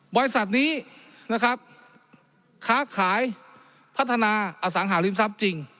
บริษัทนี้นะครับค้าขายพัฒนาอสังหาริมทรัพย์จริง